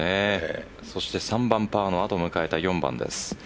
そして３番パーの後迎えた４番です。